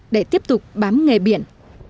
để tiếp tục bám nghề biển